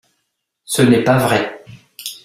Ce n’est pas vrai.